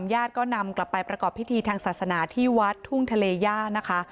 ญาติก็นำกลับไปประกอบพิธีทางศาสนาที่วัดทุ่งทะเลย่านะคะ